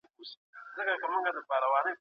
د غلا مخنيوی ټولنه له فساد څخه ژغوري.